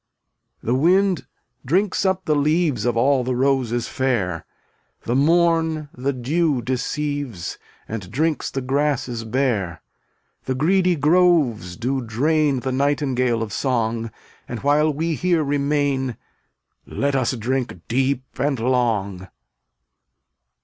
255 The wind drinks up the leaves Of all the roses fair; The morn the dew deceives And drinks the grasses bare. The greedy groves do drain The nightingale of song, And while we here remain Let us drink deep and long.